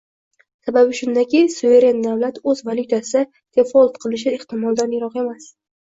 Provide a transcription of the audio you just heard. Sababi shundaki, suveren davlat o'z valyutasida defolt qilishi ehtimoldan yiroq emas